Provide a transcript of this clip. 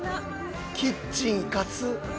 キッチンいかつっ！